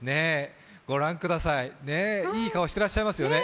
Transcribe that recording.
御覧ください、ね、いい顔してらっしゃいますよね。